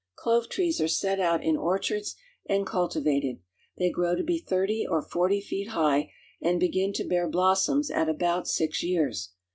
Clove trees are set out in orchards and cultivated. They grow to be thirty or forty feet high, and begin to bear blossoms at about six years.